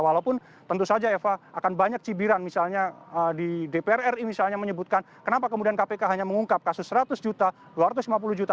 walaupun tentu saja eva akan banyak cibiran misalnya di dpr ri misalnya menyebutkan kenapa kemudian kpk hanya mengungkap kasus seratus juta dua ratus lima puluh juta